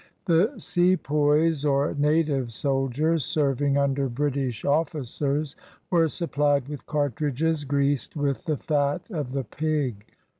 The sepoys, or native soldiers serving under British officers, were supplied with cartridges greased with the fat of the pig.